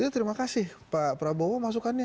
terima kasih pak prabowo masukannya